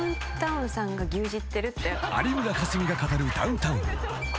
［有村架純が語るダウンタウン］